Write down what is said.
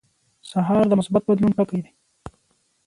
سهار د مثبت بدلون ټکي دي.